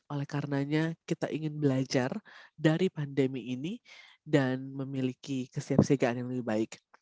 oleh karenanya kita ingin belajar dari pandemi ini dan memiliki kesiapsiagaan yang lebih baik